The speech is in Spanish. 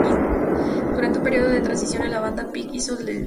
Durante un período de transición de la banda, Peake hizo de distribuidor.